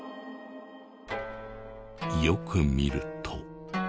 よく見ると。